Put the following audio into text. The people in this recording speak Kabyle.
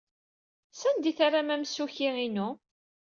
Sanda ay terram amsukki-inu?